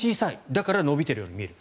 だから、伸びてるように見える。